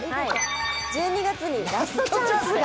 １２月にラストチャンスが。